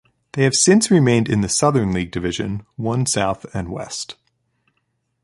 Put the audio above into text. They have since remained in the Southern League Division One South and West.